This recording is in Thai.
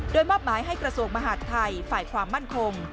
โดยมอบหมายให้กระทรวงมหาดไทยฝ่ายความมั่นคง